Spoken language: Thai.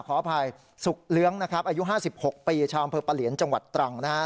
ขออภัยสุกเลี้ยงนะครับอายุ๕๖ปีชาวอำเภอปะเหลียนจังหวัดตรังนะฮะ